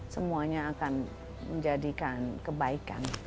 semuanya akan menjadikan kebaikan